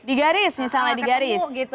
di garis misalnya di garis gitu